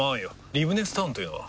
リブネスタウンというのは？